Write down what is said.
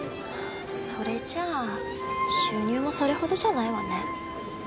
それじゃあ収入もそれほどじゃないわね。